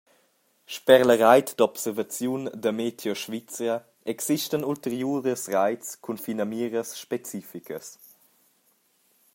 Sper la reit d’observaziun da MeteoSvizra existan ulteriuras reits cun finamiras specificas.